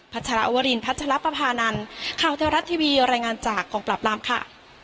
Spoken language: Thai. ชรวรินพัชรปภานันข่าวเทวรัฐทีวีรายงานจากกองปรับรามค่ะ